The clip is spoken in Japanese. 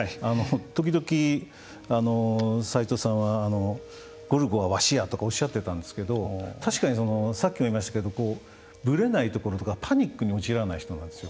時々さいとうさんはゴルゴはわしやとかおっしゃってたんですけど確かにさっきも言いましたけどぶれないところとかパニックに陥らない人なんですよ。